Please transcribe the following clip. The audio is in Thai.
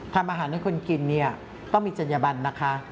ทำอาหารให้คนกินเนี่ยต้องมีจัญญบันนะคะ